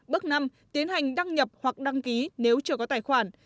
bước năm tiến hành đăng nhập hoặc đăng ký nếu chưa có tài khoản